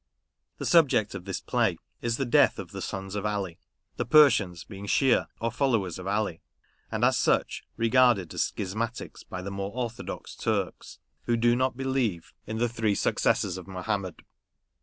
The subject of this play is the death of the sons of Ali ; the Persians being Sheeah, or followers of Ali, and, as such, regarded as schismatics by the more orthodox Turks, who do not believe in the three successors of Mohammed.